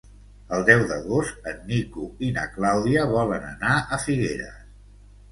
El deu d'agost en Nico i na Clàudia volen anar a Figueres.